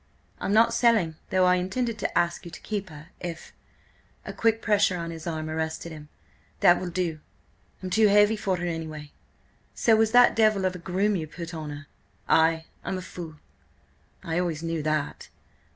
"I'm not selling, though I intended to ask you to keep her, if—" A quick pressure on his arm arrested him. "That will do! I'm too heavy for her anyway." "So was that devil of a groom you put on her." "Ay. I'm a fool." "I always knew that."